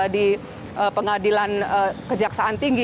di pengadilan kejaksaan tinggi